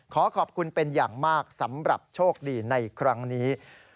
ขอขอบคุณเป็นอย่างมากสำหรับโชคดีในครั้งนี้